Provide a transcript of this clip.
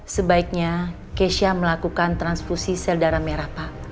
sebaiknya kesha melakukan transfusi sel darah merah pak